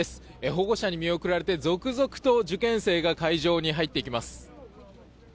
保護者に見送られて続々と受験生が会場に入っていきます。